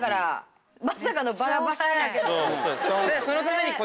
そのために。